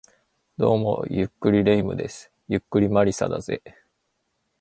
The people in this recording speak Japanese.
どうも、ゆっくり霊夢です。ゆっくり魔理沙だぜ